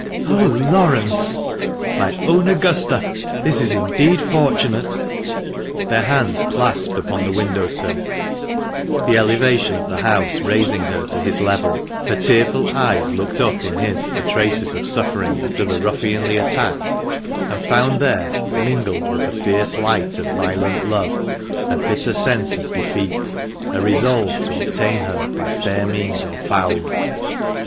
"Oh, Laurence!" " My own Augusta, this is indeed fortunate !" Their hands clasped upon the window sill — the elevation of the house raising her to his level — her tearful eyes looked up in his for traces of suffering after the " ruffianly attack," and found there, mingled with the fierce light of violent love, a bitter sense of defeat, a resolve to obtain her by fair means or foul.